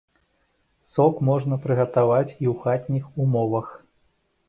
Сок можна прыгатаваць і ў хатніх умовах.